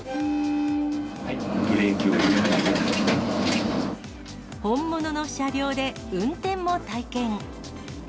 はい、本物の車両で運転も体験。